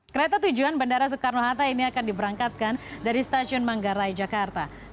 kereta tujuan bandara soekarno hatta ini akan diberangkatkan dari stasiun manggarai jakarta